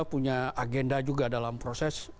punya agenda juga dalam proses